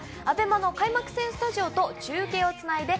ＡＢＥＭＡの開幕戦スタジオと中継をつないで